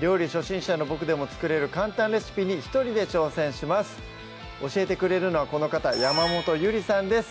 料理初心者のボクでも作れる簡単レシピに一人で挑戦します教えてくれるのはこの方山本ゆりさんです